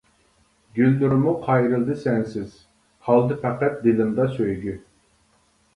گۈللىرىممۇ قايرىلدى سەنسىز، قالدى پەقەت دىلىمدا سۆيگۈ.